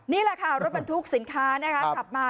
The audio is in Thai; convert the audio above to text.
นี่แหละค่ะรถบรรทุกสินค้านะคะขับมา